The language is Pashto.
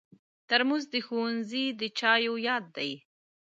ترموز د ښوونځي د چایو یاد دی.